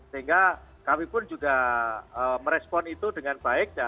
sehingga kami pun juga merespons